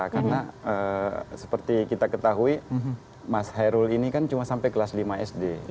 karena seperti kita ketahui mas hairul ini kan cuma sampai kelas lima sd